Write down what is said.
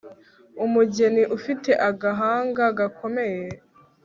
Umugeni ufite agahanga gakomeye